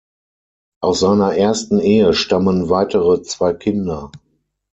Aus seiner ersten Ehe stammen weitere zwei Kinder.